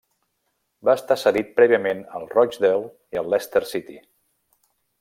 Va estar cedit prèviament al Rochdale i el Leicester City.